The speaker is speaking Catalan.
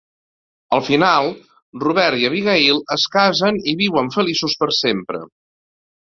Al final, Robert i Abigail es casen i viuen feliços per sempre.